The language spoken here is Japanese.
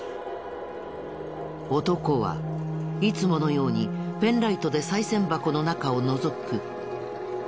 男はいつものようにペンライトでさい銭箱の中をのぞく。